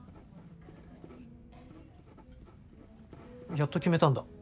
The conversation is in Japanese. やっと決めたんだ。